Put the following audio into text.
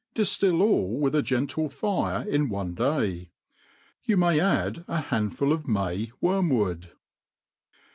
Diftil all with a gentle fire in one day* You may add a handful of May wormwood.